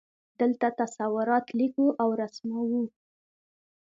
دلته تصورات لیکو او رسموو.